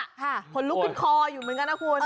ผลกลุกขึ้นคออยู่มันก็น่าควร